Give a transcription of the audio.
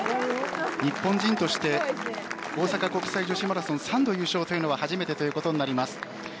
日本人として大阪国際女子マラソン三度優勝というのは初めてということになります。